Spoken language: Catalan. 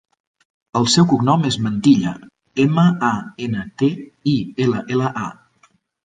El seu cognom és Mantilla: ema, a, ena, te, i, ela, ela, a.